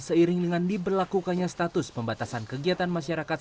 seiring dengan diberlakukannya status pembatasan kegiatan masyarakat